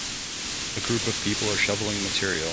A group of people are shoveling material.